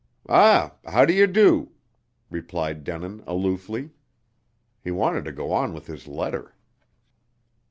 "Ah! How do you do?" replied Denin aloofly. He wanted to go on with his letter.